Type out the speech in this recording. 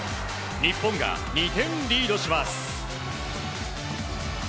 日本が２点リードします。